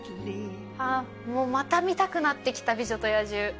もうまた見たくなってきた「美女と野獣」